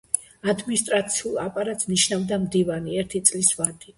ადმინისტრაციულ აპარატს ნიშნავდა მდივანი ერთი წლის ვადით.